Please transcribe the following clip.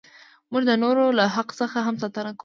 موږ د نورو له حق څخه هم ساتنه کوو.